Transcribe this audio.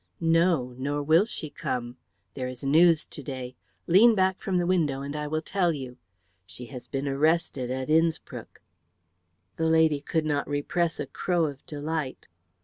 "No, nor will she come. There is news to day. Lean back from the window, and I will tell you. She has been arrested at Innspruck." The lady could not repress a crow of delight.